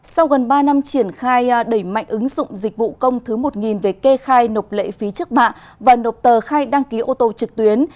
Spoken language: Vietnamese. sau gần ba năm triển khai đẩy mạnh ứng dụng dịch vụ công thứ một về kê khai nộp lệ phí trước bạ và nộp tờ khai đăng ký ô tô trực tuyến